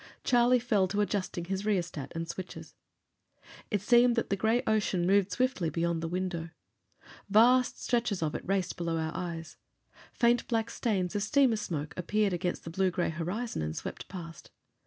Charlie fell to adjusting his rheostat and switches. It seemed that the gray ocean moved swiftly beyond the window. Vast stretches of it raced below our eyes. Faint black stains of steamer smoke appeared against the blue gray horizon and swept past.